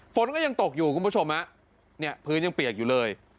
ฝนก็ยังตกอยู่คุณผู้ชมฮะเนี่ยพื้นยังเปียกอยู่เลย